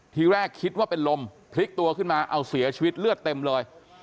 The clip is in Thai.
ทีแรกคิดว่าเป็นลมพลิกตัวขึ้นมาเอาเสียชีวิตเลือดเต็มเลย